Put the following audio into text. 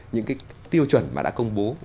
những tiêu chuẩn mà đã công bố